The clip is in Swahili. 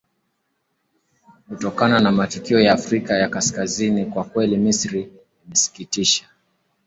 kutokana na matukio ya afrika ya kaskazini kwa kweli misri imesikitisha